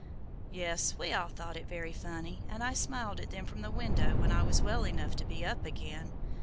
"Yes, we all thought it very funny, and I smiled at them from the window when I was well enough to be up again.